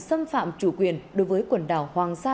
xâm phạm chủ quyền đối với quần đảo hoàng sa